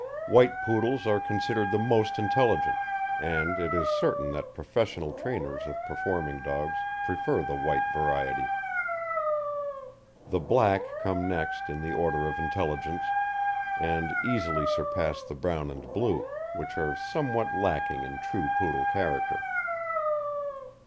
White Poodles are considered the most intelligent, and it is certain that professional trainers of performing dogs prefer the white variety. The black come next in the order of intelligence, and easily surpass the brown and blue, which are somewhat lacking in true Poodle character.